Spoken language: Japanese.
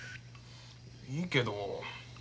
いいけど。